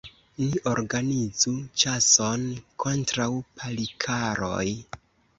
Ni organizu ĉason kontraŭ Palikaroj!